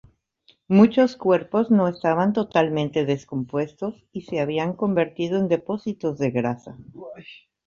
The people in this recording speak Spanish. Muchos cuerpos no estaban totalmente descompuestos y se habían convertido en depósitos de grasa.